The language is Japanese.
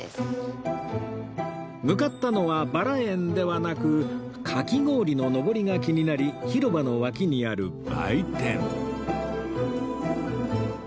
向かったのはばら園ではなくかき氷ののぼりが気になり広場の脇にある売店